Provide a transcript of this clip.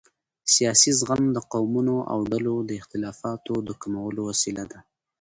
سیاسي زغم د قومونو او ډلو د اختلافاتو د کمولو وسیله ده